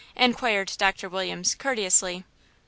inquired Doctor Williams, courteously.